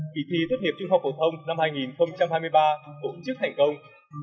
kỳ thi tuyết hiệp trung học phổ thông năm hai nghìn hai mươi ba cũng chứa thành công